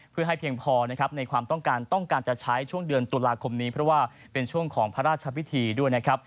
เพื่อให้เพียงพอนะครับในความต้องการต้องการจะใช้ช่วงเดือนตุลาคมนี้เพราะว่าเป็นช่วงของพระราชพิธีด้วยนะครับ